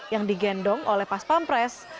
yang digendong oleh paspampres